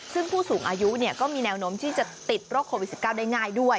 ซึ่งผู้สูงอายุก็มีแนวโน้มที่จะติดโรคโควิด๑๙ได้ง่ายด้วย